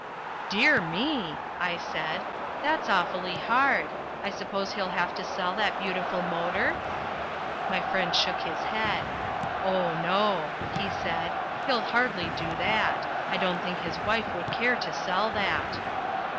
"Dear me!" I said. "That's awfully hard. I suppose he'll have to sell that beautiful motor?" My friend shook his head. "Oh, no," he said. "He'll hardly do that. I don't think his wife would care to sell that."